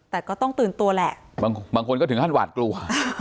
แต่ก็ต้องตื่นตัวแหละบางคนก็ถึงขั้นหวาดกลัว